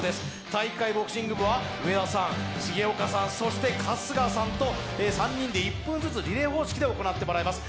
体育会ボクシング部は上田さん、重岡さん、そして春日さんと３人で１分ずつリレー方式で行ってもらいます。